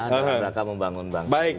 dan mereka membangun bangsa ini